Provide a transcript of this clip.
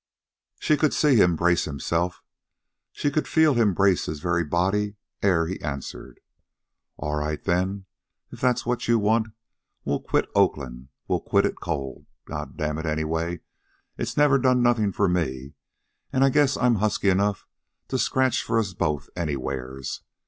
She could see him brace himself. She could feel him brace his very body ere he answered. "All right then, if that's what you want. We'll quit Oakland. We'll quit it cold. God damn it, anyway, it never done nothin' for me, an' I guess I'm husky enough to scratch for us both anywheres.